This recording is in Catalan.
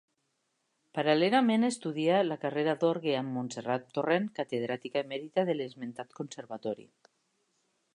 Paral·lelament estudia la carrera d'orgue amb Montserrat Torrent, catedràtica emèrita de l'esmentat Conservatori.